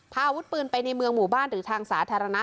อาวุธปืนไปในเมืองหมู่บ้านหรือทางสาธารณะ